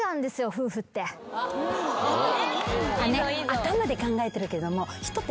頭で考えてるけども。